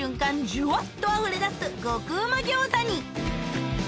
じゅわっとあふれ出す極うま餃子に！